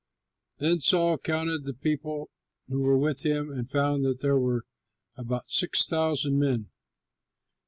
Then Saul counted the people who were with him and found that there were about six hundred men.